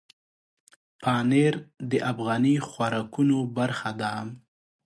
پنېر د افغاني خوراکونو برخه ده.